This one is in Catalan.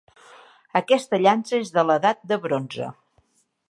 Aquesta llança és de l'Edat de Bronze